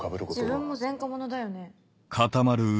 自分も前科者だよね？